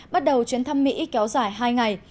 bắt đầu chuyến thăm mỹ kéo dài hai ngày